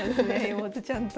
妹ちゃんと。